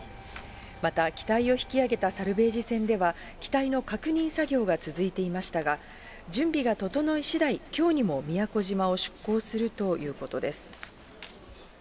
また、機体を引き揚げたサルベージ船では、機体の確認作業が続いていましたが、準備が整いしだい、きょうにも宮古島を出港するということです。